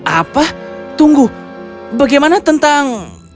apa tunggu bagaimana tentang